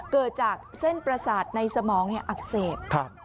เกิดจากเส้นประสาทในสมองอักเสบ